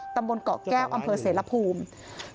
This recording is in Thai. ตำบลเกาะแก้วอำเภอเสรภูมิ